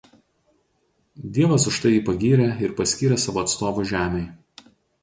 Dievas už tai jį pagyrė ir paskyrė savo atstovu Žemei.